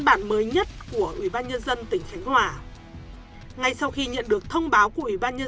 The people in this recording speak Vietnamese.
bản mới nhất của ủy ban nhân dân tỉnh khánh hòa ngay sau khi nhận được thông báo của ủy ban nhân